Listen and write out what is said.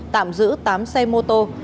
tạm giữ tám xe mô tô